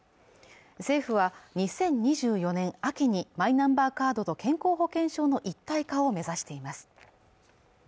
政府は２０２４年秋にマイナンバーカードと健康保険証の一体化を目指しています